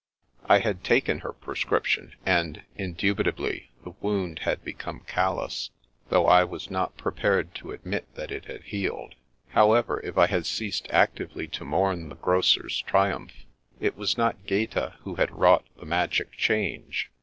I had taken her prescription, and — indisputably the wound had become callous, though I was not pre pared to admit that it had healed. However, if I had ceased actively to mourn the grocer's triumph, it was not Gaeta who had wrought the magic change.